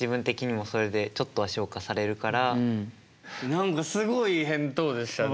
何かすごい返答でしたね。